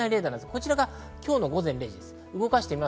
こちらが今日の午前０時です。